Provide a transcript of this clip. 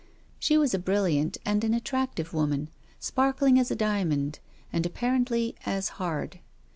She was a brilliant and an attractive woman, sparkling as a diamond, and apparently as hard.